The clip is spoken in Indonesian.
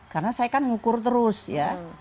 karena saya kan mengukur terus ya